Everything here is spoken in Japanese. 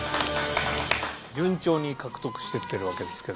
順調に獲得してってるわけですけども。